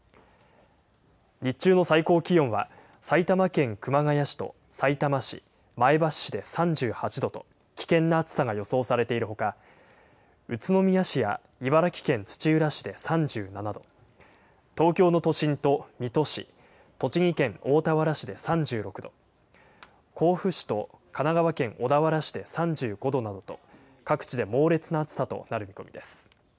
日中の最高気温は埼玉県熊谷市とさいたま市、前橋市で３８度と危険な暑さが予想されているほか、宇都宮市や茨城県土浦市で３７度、東京の都心と水戸市、栃木県大田原市で３６度、甲府市と神奈川県小田原市で３５度などと、各地で猛烈な暑さとなる見込みです。